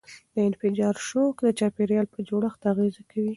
د انفجار شوک د چاپیریال په جوړښت اغېزه کوي.